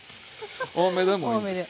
多めでもいいです。